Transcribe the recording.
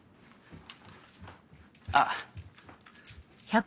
あっ。